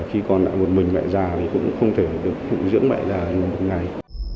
khi còn lại một mình mẹ già thì cũng không thể được phụng dưỡng mẹ già một ngày